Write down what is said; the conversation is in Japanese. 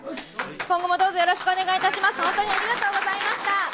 今後もどうぞよろしくお願いいたします。